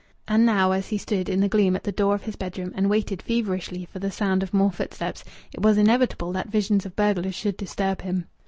And now, as he stood in the gloom at the door of his bedroom and waited feverishly for the sound of more footsteps, it was inevitable that visions of burglars should disturb him.